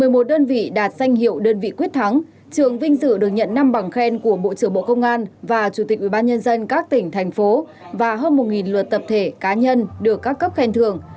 hình hiệu đơn vị quyết thắng trường vinh dự được nhận năm bằng khen của bộ trưởng bộ công an và chủ tịch ubnd các tỉnh thành phố và hơn một luật tập thể cá nhân được các cấp khen thường